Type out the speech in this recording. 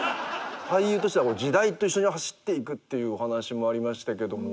俳優としては時代と一緒に走っていくっていうお話もありましたけども。